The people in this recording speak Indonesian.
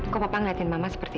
kok papa ngeliatin mama seperti